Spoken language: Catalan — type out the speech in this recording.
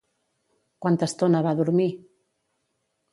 Quanta estona va dormir?